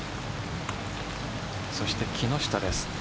そして木下です。